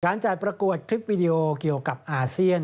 จัดประกวดคลิปวิดีโอเกี่ยวกับอาเซียน